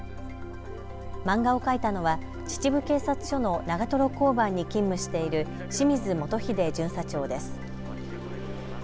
漫画を描いたのは秩父警察署の長瀞交番に勤務している清水元英巡査長です。